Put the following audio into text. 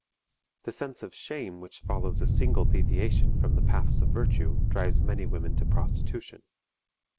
The sense of shame which follows a single deviation from the paths of virtue drives many women to prostitution.